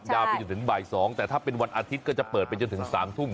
ไปจนถึงบ่าย๒แต่ถ้าเป็นวันอาทิตย์ก็จะเปิดไปจนถึง๓ทุ่ม